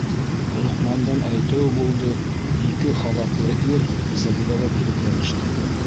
- Лоҡмандың әйтеүе булды - ике халатлы ир Сәбиләгә килеп йәбеште.